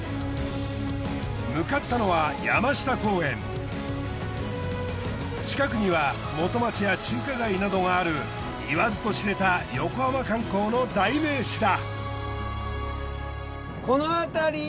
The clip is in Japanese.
向かったのは近くには元町や中華街などがある言わずと知れた横浜観光の代名詞だ。